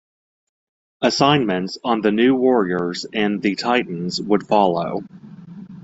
Assignments on "The New Warriors" and "The Titans" would follow.